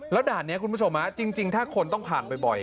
แล้วด่านนี้คุณผู้ชมจริงถ้าคนต้องผ่านบ่อย